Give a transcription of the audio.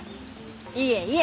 いえいえ。